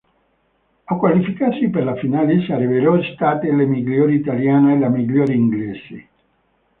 A qualificarsi per la finale sarebbero state la miglior italiana e la migliore inglese.